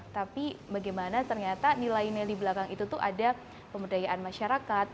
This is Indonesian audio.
tapi bagaimana ternyata nilai nilai di belakang itu tuh ada pemberdayaan masyarakat